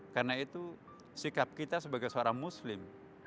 karena itu sikap kita sebagai seorang muslim